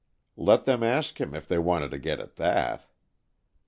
Let them ask him, if they wanted to get at that!